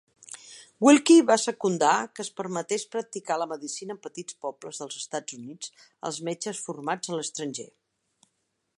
Willkie va secundar que es permetés practicar la medicina en petits pobles dels Estats Units als metges formats a l'estranger.